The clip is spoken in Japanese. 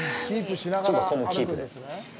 ちょっとここもキープで。